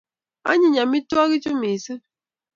Anyiny amutwogik chu missing'.